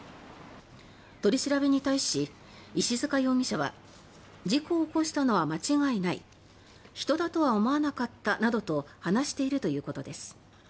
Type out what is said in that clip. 取り調べに対し石塚容疑者は事故を起こしたのは間違いない人だとは思わなかったなどと話しているということです。